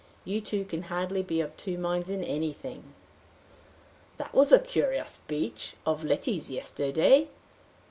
You two can hardly be of two minds in anything!" "That was a curious speech of Letty's yesterday!